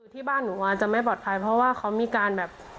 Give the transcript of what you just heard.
ที่บ้านหนูอาจจะไม่ปลอดภัยเพราะว่าเขามีการแบบ